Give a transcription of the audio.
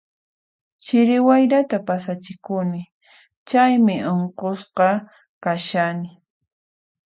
Chiri wayrata pasachikuni, chaymi unqusqa kashani.